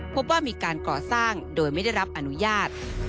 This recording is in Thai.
พบว่ามีการก่อสร้างโดยไม่ได้รับอนุญาต